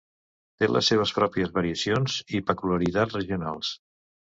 Té les seves pròpies variacions i peculiaritats regionals.